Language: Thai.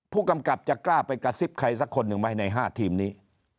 ผู้กำกับจะกล้าไปกระซิบใครสักคนหนึ่งไหมใน๕ทีมนี้